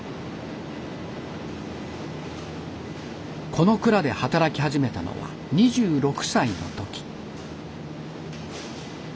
この蔵で働き始めたのは２６歳の時。